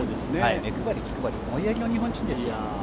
目配り、気配り思いやりの日本人ですよ。